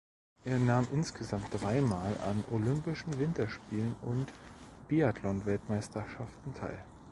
Er nahm insgesamt dreimal an Olympischen Winterspielen und Biathlon-Weltmeisterschaften teil.